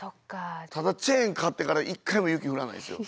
ただチェーン買ってから一回も雪降らないんですよ。